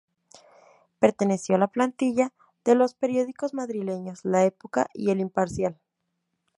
Perteneció a la plantilla de los periódicos madrileños "La Época" y El Imparcial.